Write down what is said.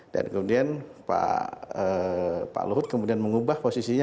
dan kemudian pak luhut mengubah posisinya